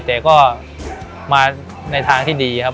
แต่ก็มาในทางที่ดีครับ